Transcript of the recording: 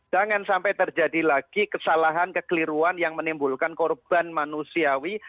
jangan sampai terjadi lagi kesalahan kekeliruan yang menimbulkan korban manusiawi